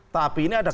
tapi ini ada